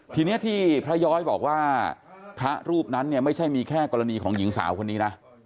ทีนี้ที่พระย้อยบอกว่าพระรูปนั้นเนี่ยไม่ใช่มีแค่กรณีของหญิงสาวคนนี้นะ